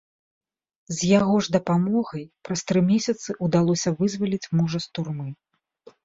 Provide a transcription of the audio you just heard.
З яго ж дапамогай праз тры месяца ўдалося вызваліць мужа з турмы.